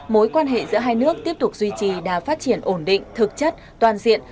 mối quan hệ giữa hai nước tiếp tục duy trì đã phát triển ổn định thực chất toàn diện